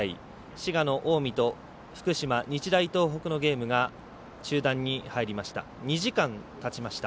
滋賀の近江と福島、日大東北のゲームが中断に入りました。